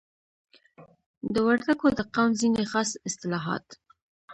د وردګو د قوم ځینی خاص اصتلاحات